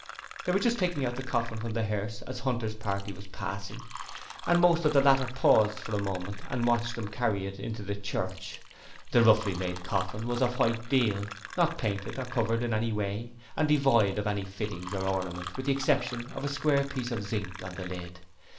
They were just taking out the coffin from the hearse as Hunter's party was passing, and most of the latter paused for a moment and watched them carry it into the church. The roughly made coffin was of white deal, not painted or covered in any way, and devoid of any fittings or ornament with the exception of a square piece of zinc on the lid.